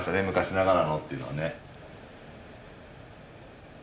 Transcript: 昔ながらのっていうのはね。